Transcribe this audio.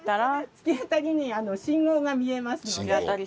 突き当たりに信号が見えますので。